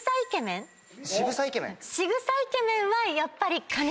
仕草イケメンはやっぱり。